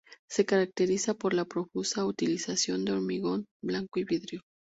Se caracteriza por la profusa utilización de hormigón blanco y vidrio.